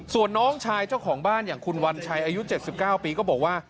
ส่วนน้องชายเจ้าของบ้านอย่างคุณวัญชัยอายุ๗๙ปีก็บอกว่า